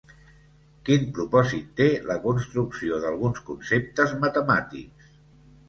Quin propòsit té la construcció d'alguns conceptes matemàtics?